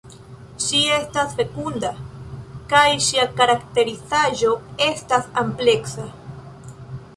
Ŝi estas fekunda kaj ŝia karakterizaĵo estas ampleksa.